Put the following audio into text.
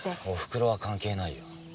おふくろは関係ないよ。